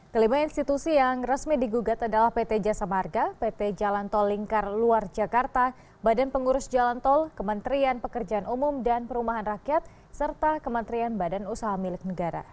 kelima institusi yang resmi digugat adalah pt jasa marga pt jalan tol lingkar luar jakarta badan pengurus jalan tol kementerian pekerjaan umum dan perumahan rakyat serta kementerian badan usaha milik negara